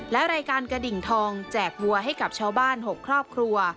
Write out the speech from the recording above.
และรายการกระดิ่งทองแจกวัวให้กับชาวบ้าน๖ครอบครัว